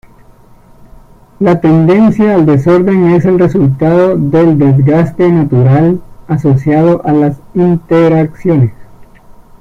La tendencia al desorden es el resultado del desgaste natural asociado a las interacciones.